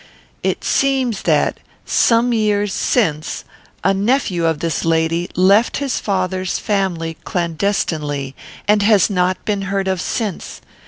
It seems that, some years since, a nephew of this lady left his father's family clandestinely, and has not been heard of since.